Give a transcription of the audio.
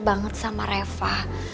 banget sama reva